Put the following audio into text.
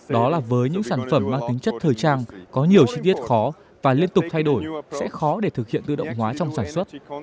đó là với những sản phẩm mang tính chất thời trang có nhiều chi tiết khó và liên tục thay đổi sẽ khó để thực hiện tự động hóa trong sản xuất